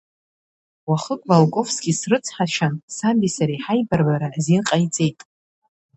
Уахык Волковски срыцҳашьан, саби сареи ҳаибарбара азин ҟаиҵеит.